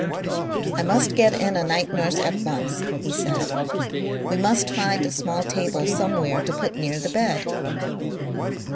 "I must get in a night nurse at once," he said. "We must find a small table somewhere to put near the bed.